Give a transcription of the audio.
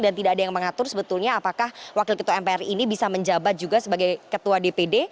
dan tidak ada yang mengatur sebetulnya apakah wakil ketua mpr ini bisa menjabat juga sebagai ketua dpd